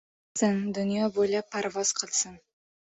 Chiqsin. Dunyo bo‘ylab parvoz qilsin.